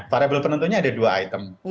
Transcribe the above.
variable penentunya ada dua item